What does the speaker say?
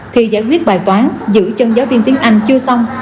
thì giải quyết bài toán giữ chân giáo viên tiếng anh chưa xong